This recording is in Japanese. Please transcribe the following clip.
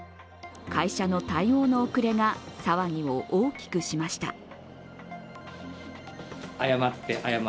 会社の対応の遅れが騒ぎを大きくしました。